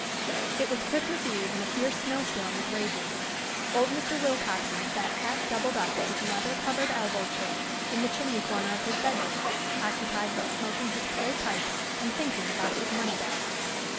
It was Christmas Eve and a fierce snow storm was raging. Old Mr. Willcoxen sat half doubled up in his leather covered elbow chair, in the chimney corner of his bedroom, occupied with smoking his clay pipe, and thinking about his money bags.